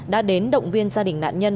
đã đến động viên gia đình nạn nhân